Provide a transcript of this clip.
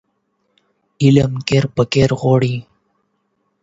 علم کور په کور غواړو